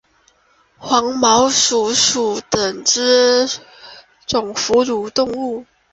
黄毛鼹属等之数种哺乳动物。